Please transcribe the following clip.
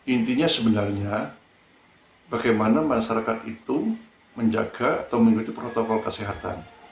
intinya sebenarnya bagaimana masyarakat itu menjaga atau mengikuti protokol kesehatan